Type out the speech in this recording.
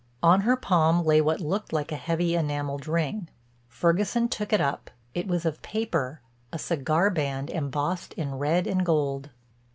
On her palm lay what looked like a heavy enameled ring. Ferguson took it up; it was of paper, a cigar band embossed in red and gold.